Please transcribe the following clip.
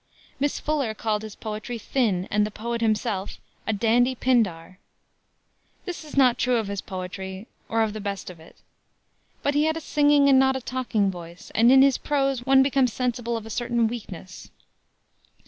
Miss Fuller called his poetry thin and the poet himself a "dandy Pindar." This is not true of his poetry, or of the best of it. But he had a singing and not a talking voice, and in his prose one becomes sensible of a certain weakness.